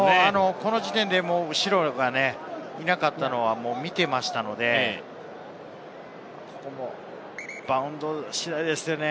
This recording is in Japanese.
この時点で後ろがいなかったのは見ていましたので、バウンド次第ですよね。